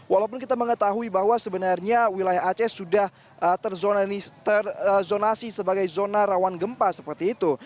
walaupun kita mengetahui bahwa sebenarnya wilayah aceh sudah terzonasi sebagai zona rawan gempa seperti itu